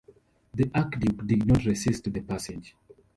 The Archduke did not resist the passage.